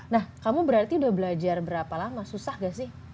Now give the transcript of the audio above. nah kamu berarti udah belajar berapa lama susah gak sih